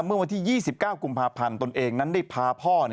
เมื่อวันที่๒๙กุมภาพันธ์ตนเองนั้นได้พาพ่อ